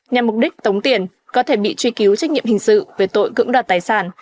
nhằm mục đích tống tiền có thể bị truy cứu trách nhiệm hình sự về tội cưỡng đoạt tài sản